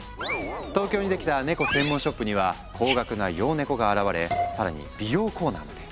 東京にできたネコ専門ショップには高額な洋ネコが現れ更に美容コーナーまで！